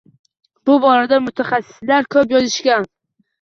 Bu borada mutaxassislar ko‘p yozishgan.